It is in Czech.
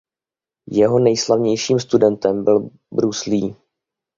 Jeho nejslavnějším studentem byl Bruce Lee.